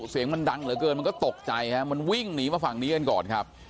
เสียงมันดังเหลือเกินมันก็ตกใจฮะมันวิ่งหนีมาฝั่งนี้กันก่อนครับ